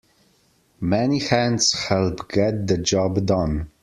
Many hands help get the job done.